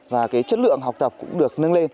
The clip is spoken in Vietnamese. và chất lượng học tập cũng được nâng lên